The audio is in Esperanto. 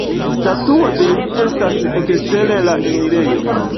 Statuo de li estas ekster la enirejo.